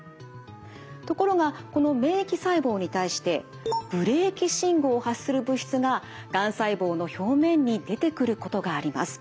ところがこの免疫細胞に対してブレーキ信号を発する物質ががん細胞の表面に出てくることがあります。